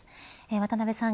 渡辺さん